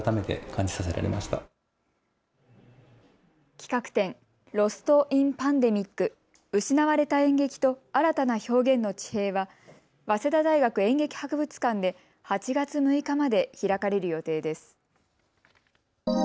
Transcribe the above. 企画展、ＬｏｓｔｉｎＰａｎｄｅｍｉｃ失われた演劇と新たな表現の地平は早稲田大学演劇博物館で８月６日まで開かれる予定です。